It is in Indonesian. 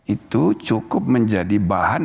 itu cukup menjadi bahan